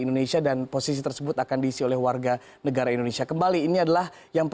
indonesia dan posisi tersebut akan diisi oleh warga negara indonesia kembali ini adalah yang